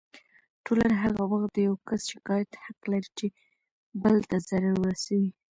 ټولنه هغه وخت د يو کس شکايت حق لري چې بل ته ضرر ورسوي.